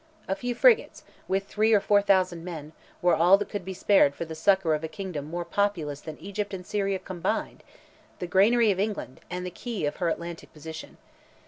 A few frigates, with three or four thousand men, were all that could be spared for the succour of a kingdom more populous than Egypt and Syria combined; the granary of England, and the key of her Atlantic position.